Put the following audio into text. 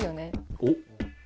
おっ。